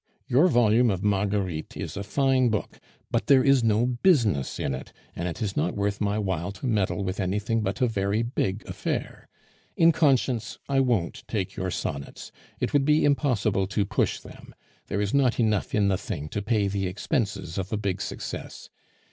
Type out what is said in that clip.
Your volume of Marguerites is a fine book, but there is no business in it, and it is not worth my while to meddle with anything but a very big affair. In conscience, I won't take your sonnets. It would be impossible to push them; there is not enough in the thing to pay the expenses of a big success.